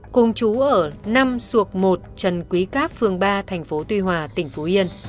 cùng trú ở năm xuộc một trần quý cáp phường ba tp tuy hòa tp yên